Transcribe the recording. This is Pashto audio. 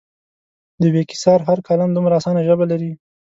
د بېکسیار هر کالم دومره اسانه ژبه لري.